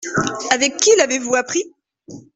Avec qui l’avez-vous appris ?